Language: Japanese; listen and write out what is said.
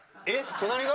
隣が？